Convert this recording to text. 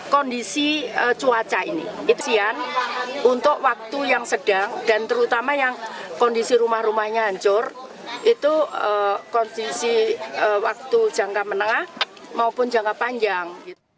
kondisi waktu jangka menengah maupun jangka panjang